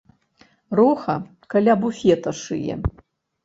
Роха каля буфета шые.